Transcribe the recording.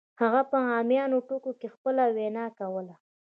هغه په عامیانه ټکو کې خپله وینا کوله